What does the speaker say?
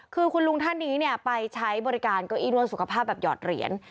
คือคุณลุงท่านนี้ไปใช้บริการเก้าอี้นวดสุขภาพแบบหยอดเหรียญ